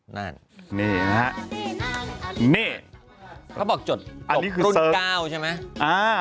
นั่นนี่นะฮะนี่เขาบอกจดอันนี้คือรุ่น๙ใช่ไหม